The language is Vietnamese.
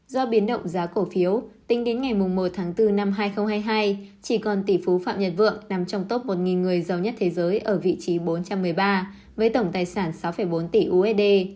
do biến động giá cổ phiếu tính đến ngày một tháng bốn năm hai nghìn hai mươi hai chỉ còn tỷ phú phạm nhật vượng nằm trong top một người giàu nhất thế giới ở vị trí bốn trăm một mươi ba với tổng tài sản sáu bốn tỷ usd